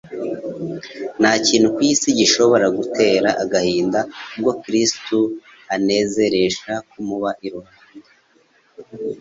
Nta kintu ku isi gishobora gutera agahinda uwo Kristo anezeresha kumuba iruhande.